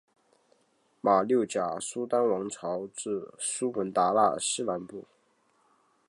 马六甲苏丹王朝至苏门答腊西南部。